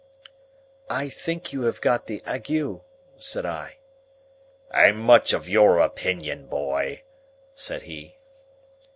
"I think you have got the ague," said I. "I'm much of your opinion, boy," said he.